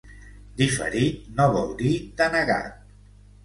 Diferit no vol dir denegat.